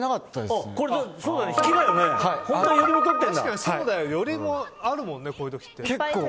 確かによりもあるもんねこういう時って。